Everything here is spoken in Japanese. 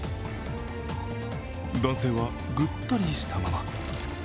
男性はぐったりしたまま。